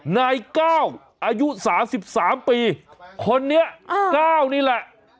นายก้าวอายุ๓๓ปีคนนี้๙นี่แหละ